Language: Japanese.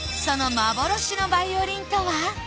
その幻のヴァイオリンとは？